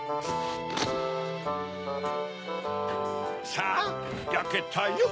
さぁやけたよ。